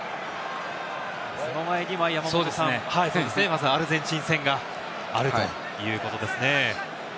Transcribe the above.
その前にはアルゼンチン戦があるということですね。